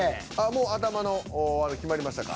もう頭のワード決まりましたか？